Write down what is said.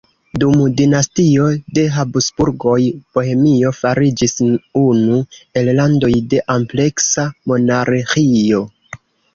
Dum dinastio de Habsburgoj Bohemio fariĝis unu el landoj de ampleksa monarĥio.